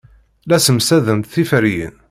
La ssemsadent tiferyin.